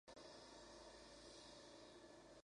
Es un genio invocando sapos.